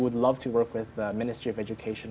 saya sebenarnya ingin bekerja dengan